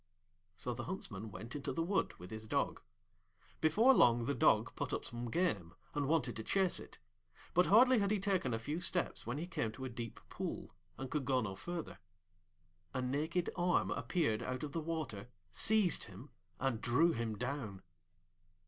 So the Huntsman went into the wood with his Dog. Before long the Dog put up some game, and wanted to chase it; but hardly had he taken a few steps when he came to a deep pool, and could go no further. A naked arm appeared out of the water, seized him, and drew him down.